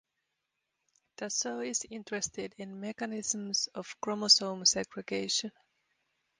Dasso is interested in mechanisms of chromosome segregation.